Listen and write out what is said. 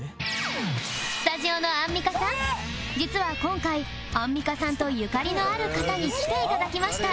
スタジオのアンミカさん実は今回アンミカさんとゆかりのある方に来て頂きました